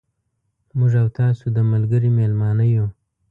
موږ او تاسو د ملګري مېلمانه یو.